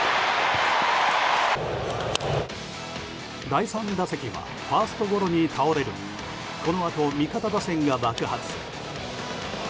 第３打席はファーストゴロに倒れるもこのあと、味方打線が爆発。